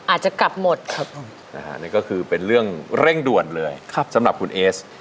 อาจจะกลับหมดครับผมนะฮะนี่ก็คือเป็นเรื่องเร่งด่วนเลยสำหรับคุณเอส